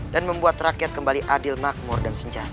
dan membuat rakyat kembali adil makmur dan senjata